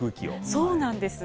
そうなんです。